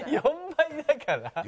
４倍だから。